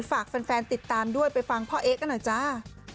ฝากแฟนติดตามด้วยไปฟังพ่อเอ๊ะกันหน่อยจ้า